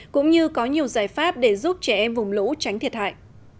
cũng như có nhiều giải pháp để giúp trẻ em vùng lũ tránh thiệt hại